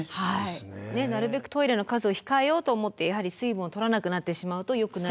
なるべくトイレの数を控えようと思ってやはり水分をとらなくなってしまうとよくない。